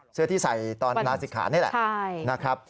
เสื้อที่ใส่ตอนนาศิกขานี่แหละ